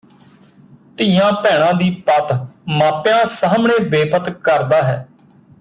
ਧੀਆਂ ਭੈਣਾਂ ਦੀ ਪਤ ਮਾਪਿਆਂ ਸਾਮ੍ਹਣੇ ਬੇਪਤ ਕਰਦਾ ਹੈ